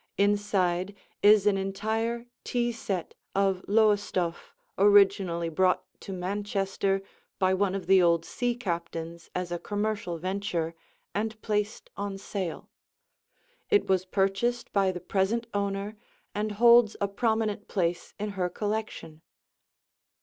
Inside is an entire tea set of Lowestoft originally brought to Manchester by one of the old sea captains as a commercial venture and placed on sale. It was purchased by the present owner and holds a prominent place in her collection.